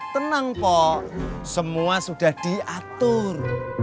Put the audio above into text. tenang kok semua sudah diatur